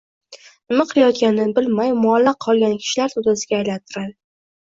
nima qilayotganini bilmay muallaq qolgan kishilar to‘dasiga aylantiradi.